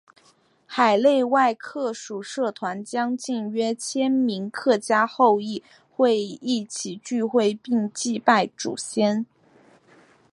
海内外客属社团将近约千名客家后裔会一起聚会并祭拜祖先。